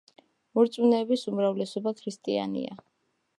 მორწმუნეების უმრავლესობა ქრისტიანია.